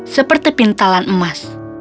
seperti pintalan emas